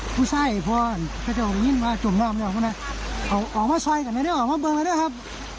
พูดใช่พวกเขาจะหยินมาจบน้ำออกมาซ่อยกันออกมาเบิ่งเลยนะครับ